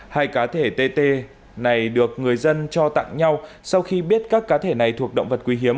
hai cá thể tt này được người dân cho tặng nhau sau khi biết các cá thể này thuộc động vật quý hiếm